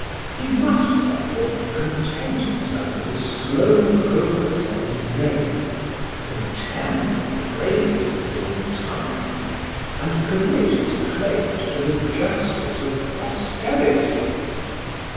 He must, therefore, content himself with the slow progress of his name, contemn the praise of his own time, and commit his claims to the justice of posterity.